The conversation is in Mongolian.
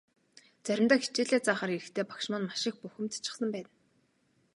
Заримдаа хичээлээ заахаар ирэхдээ багш маань маш их бухимдчихсан байна.